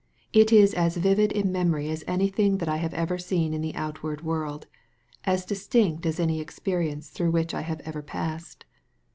It is as vivid in memory as anything that I have ever seen in the outward world, as distinct as any experience through which I have ever passed.